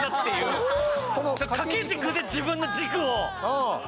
掛け軸で自分の軸をとる。